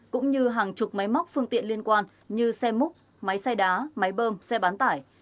cũng như hàng chục máy móc phương tiện liên quan như xe múc máy xay đá máy bơm xe bán tải